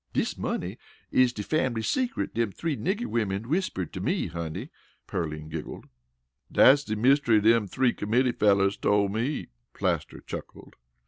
"Dis money is de fambly secret dem three nigger womens whispered to me, honey," Pearline giggled. "Dat's de myst'ry dem three committee fellers tole me," Plaster chuckled.